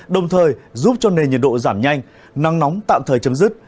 đồng thời giúp cho nền nhiệt độ giảm nhanh nắng nóng tạm thời chấm dứt